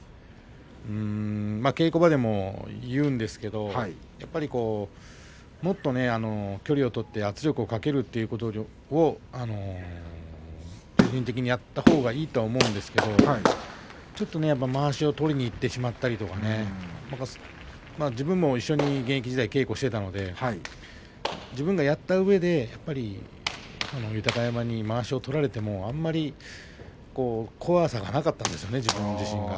稽古場でも言うんですけれどやっぱりもっと距離を取って圧力をかけるということをやったほうがいいと思うんですけれどもちょっとまわしを取りにいってしまったりとか自分も一緒に現役時代稽古していたので自分がやったうえで豊山にまわしを取られてもあまり怖さはなかったんですよね自分自身が。